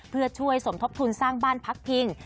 เพื่อช่วยสมทบทุนสร้างบ้านพักพิง